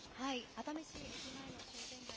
熱海市駅前の商店街です。